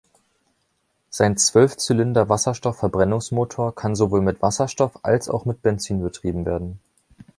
Sein Zwölf-Zylinder-Wasserstoff-Verbrennungsmotor kann sowohl mit Wasserstoff als auch mit Benzin betrieben werden.